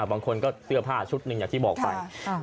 บางคนก็เสื้อผ้าชุดหนึ่งอย่างที่บอกไป